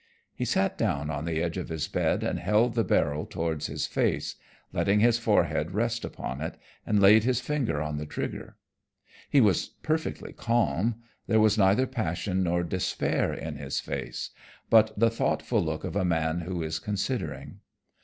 He sat down on the edge of his bed and held the barrel towards his face, letting his forehead rest upon it, and laid his finger on the trigger. He was perfectly calm, there was neither passion nor despair in his face, but the thoughtful look of a man who is considering.